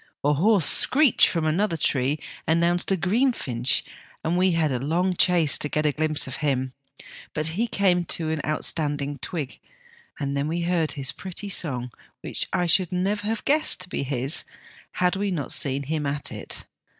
A hoarse screech from another tree announced a green finch, and we had a long chase to get a glimpse of him ; but he came to an outstanding twig, and then we heard his pretty song, which I should never have guessed to be his had we not seen him at it.